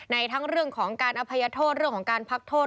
ทั้งเรื่องของการอภัยโทษเรื่องของการพักโทษ